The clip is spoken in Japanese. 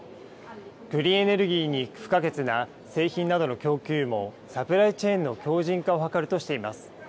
クリーンエネルギーに不可欠な、製品などの供給網、サプライチェーンの強じん化を図るとしています。